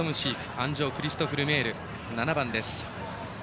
鞍上、クリストフ・ルメールです。